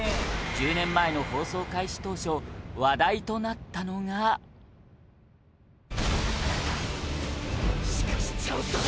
１０年前の放送開始当初話題となったのがエレン・イェーガー：